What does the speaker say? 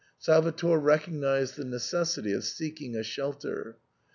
Salvator recognised the necessity of seeking a shelter.